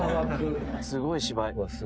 ・すごい芝居。